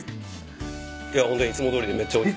ホントいつもどおりでめっちゃおいしい。